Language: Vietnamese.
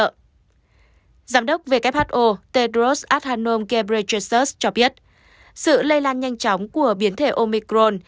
giám đốc who tedros adhanom ghebreyesus cho biết sự lây lan nhanh chóng của biến thể omicron